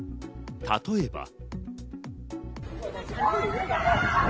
例えば。